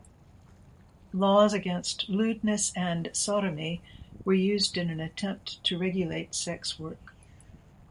Laws against lewdness and sodomy were used in an attempt to regulate sex work.